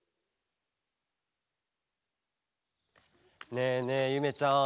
ねえねえゆめちゃん